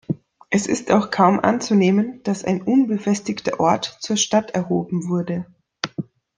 Es ist auch kaum anzunehmen, dass ein unbefestigter Ort zur Stadt erhoben wurde.